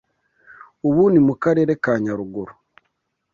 ubu ni mu Karere ka Nyaruguru